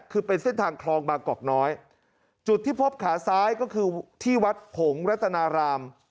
คือเป็นเส้นทางคลองบางกอกน้อยจุดที่พบขาซ้ายก็คือที่วัดหงรัตนาราม